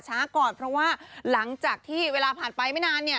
ก่อนเพราะว่าหลังจากที่เวลาผ่านไปไม่นานเนี่ย